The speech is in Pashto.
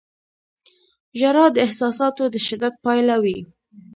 • ژړا د احساساتو د شدت پایله وي.